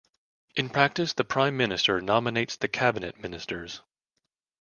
In practice the prime minister nominates the cabinet ministers.